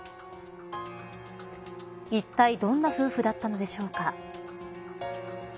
いったいどんな夫婦だったのでしょうか。